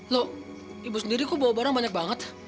lo ibu sendiri kok bawa barang banyak banget